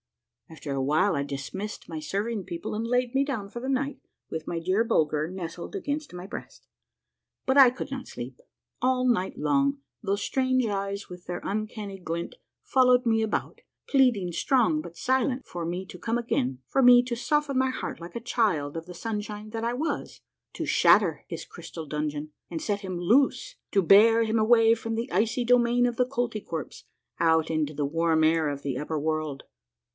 After a while I dismissed my serving people and laid me down for the night with my dear Bulger nestled against my breast. But I could not sleep. All night long those strange eyes with their un canny glint followed me about, pleading strong but silent for me to come again', for me to soften my heart like a child of the sunshine that I was, to shatter his crystal dungeon, and set him loose, to bear him away from the icy domain of the Koltykwerps out into the warm air of the upper world.